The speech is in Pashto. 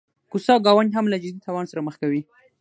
کوڅه او ګاونډ هم له جدي تاوان سره مخ کوي.